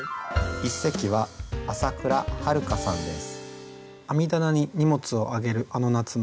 一席は麻倉遥さんです。